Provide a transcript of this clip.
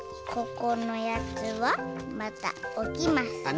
ここのやつはまたおきます。